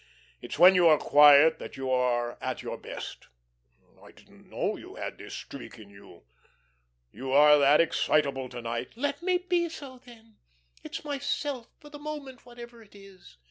It's when you are quiet that you are at your best. I didn't know you had this streak in you. You are that excitable to night!" "Let me be so then. It's myself, for the moment whatever it is.